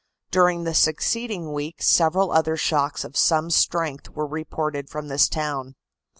During the succeeding week several other shocks of some strength were reported from this town.